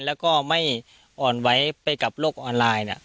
แล้วก็ไม่อ่อนไหวไปกับโลกออนไลน์